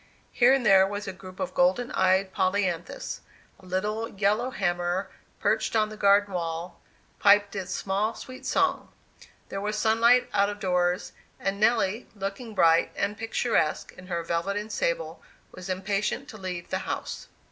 Here and there was a group of the golden eyed polyanthus; a little yellow hammer, perched on the garden wall, piped its small, sweet song. There was sunlight out of doors, and Nelly, looking bright and picturesque in her velvet and sable, was impatient to leave the house.